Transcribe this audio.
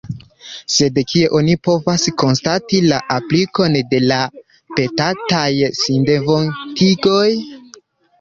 Sed kie oni povas konstati la aplikon de la petataj sindevontigoj?